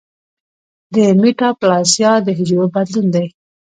د میټاپلاسیا د حجرو بدلون دی.